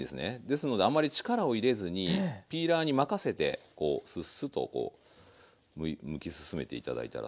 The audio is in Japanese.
ですのであんまり力を入れずにピーラーに任せてこうスッスッとこうむき進めて頂いたらと思います。